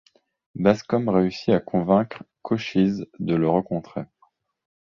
Bascom réussit à convaincre Cochise de le rencontrer.